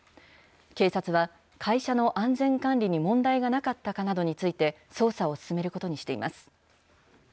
警察は会社の安全管理に問題がなかったかなどについて、捜査を進めることにしています。